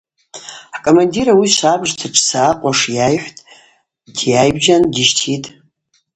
Хӏкомандир ауи швабыжта дшсакъуаш йайхӏвтӏ, дйайбжьан дищтитӏ.